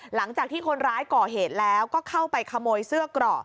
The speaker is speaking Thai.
หลังจากที่คนร้ายก่อเหตุแล้วก็เข้าไปขโมยเสื้อเกราะ